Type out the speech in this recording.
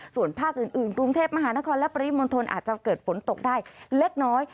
ส่วนภาคอื่นกรุงเทพมหานครและปริมณฑลอาจจะเกิดฝนตกได้เล็กน้อย